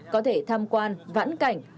có thể tham quan vãn cảnh